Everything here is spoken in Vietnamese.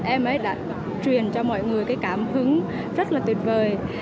em ấy đã truyền cho mọi người cái cảm hứng rất là tuyệt vời